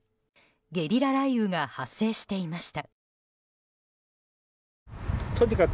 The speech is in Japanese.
ゲリラ雷雨が発生していました。